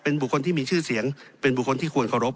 เป็นบุคคลที่มีชื่อเสียงเป็นบุคคลที่ควรเคารพ